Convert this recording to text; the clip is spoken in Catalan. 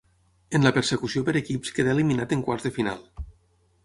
En la persecució per equips quedà eliminat en quarts de final.